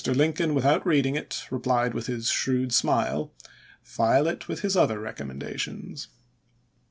Lincoln, without read ing it, replied with his shrewd smile, " File it with his other recommendations."